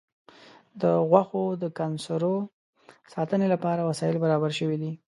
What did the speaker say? د غوښو د کنسرو ساتنې لپاره وسایل برابر شوي دي.